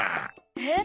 えっ？